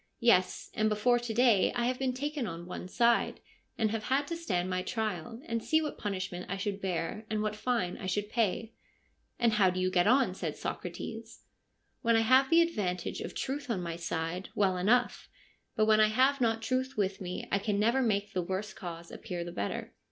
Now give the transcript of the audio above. Yes, and before to day I have been taken on one side, and have had to stand my trial, to see what punishment I should bear and what fine I should pay.' ' And how do you get on ?' says Socrates. ' When I have the advantage of truth on my side, THE SOCRATIC CIRCLE 149 well enough ; but when I have not truth with me I can never make the worse cause appear the better.'